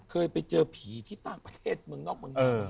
เคยไปเจอผีที่ต่างประเทศเมืองนอกเมืองนอก